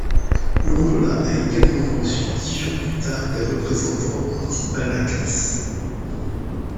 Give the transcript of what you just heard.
L'Angola a également reçu dix jours plus tard des représentants anti-Balakas.